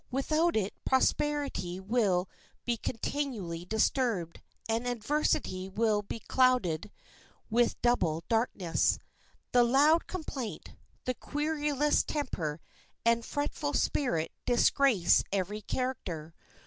Without it prosperity will be continually disturbed, and adversity will be clouded with double darkness. The loud complaint, the querulous temper and fretful spirit disgrace every character.